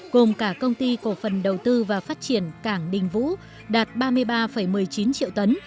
gồm cả công ty cổ phần đầu tư và phát triển cảng đình vũ đạt ba mươi ba một mươi chín triệu tấn